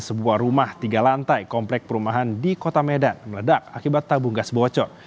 sebuah rumah tiga lantai komplek perumahan di kota medan meledak akibat tabung gas bocor